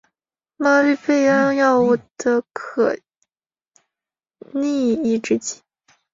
吗氯贝胺药物的可逆抑制剂。